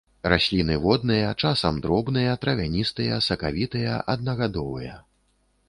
Расліны водныя, часам дробныя, травяністыя, сакавітыя, аднагадовыя.